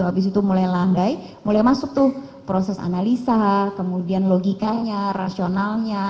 habis itu mulai landai mulai masuk tuh proses analisa kemudian logikanya rasionalnya